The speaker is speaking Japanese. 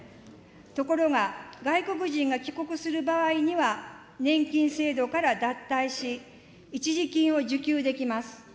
ところが、外国人が帰国する場合には、年金制度から脱退し、一時金を受給できます。